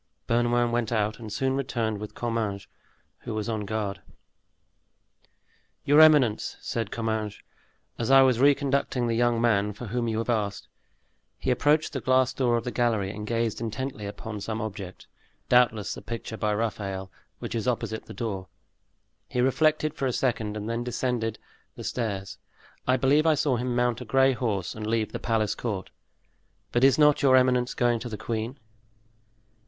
Bernouin went out and soon returned with Comminges, who was on guard. "Your eminence," said Comminges, "as I was re conducting the young man for whom you have asked, he approached the glass door of the gallery, and gazed intently upon some object, doubtless the picture by Raphael, which is opposite the door. He reflected for a second and then descended the stairs. I believe I saw him mount a gray horse and leave the palace court. But is not your eminence going to the queen?"